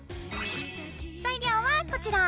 材料はこちら。